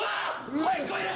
声聞こえる！